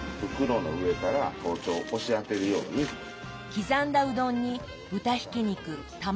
刻んだうどんに豚ひき肉卵